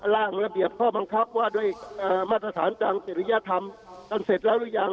ร่างระเบียบข้อบังคับว่าด้วยมาตรฐานทางจริยธรรมท่านเสร็จแล้วหรือยัง